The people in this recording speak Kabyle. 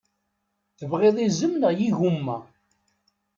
Tebɣiḍ iẓem n yigumma?